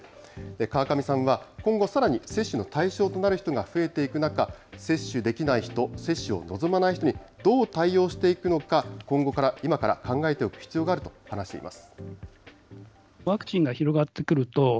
川上さんは、今後さらに接種の対象となる人が増えていく中、接種できない人、接種を望まない人にどう対応していくのか、今から考えていく必要があると話しています。